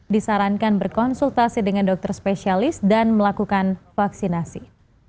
disarankan berkonsultasi dengan dokter spesialis dan melakukan vaksinasi